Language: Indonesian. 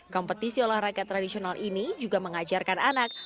kompetisi olahraga tradisional ini juga mengajarkan anak